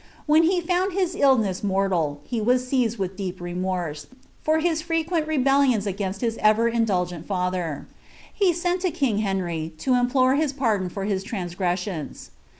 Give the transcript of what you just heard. Whea he foond his illness mortal, he was seized with Iwp renonci for his frequent rebellions against his eTer indii)s?nl fntlier. lie aent to king Uenry, to implore his pardon for his trane^reasionf.